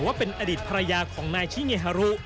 ว่าเป็นอดีตภรรยาของนายชิเงฮารุ